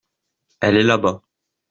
Elle est là-bas.